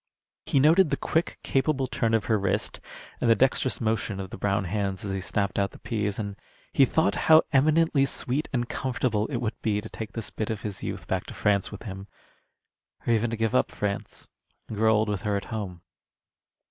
He noted the quick, capable turn of her wrist and the dexterous motion of the brown hands as they snapped out the pease, and he thought how eminently sweet and comfortable it would be to take this bit of his youth back to France with him, or even to give up France and grow old with her at home.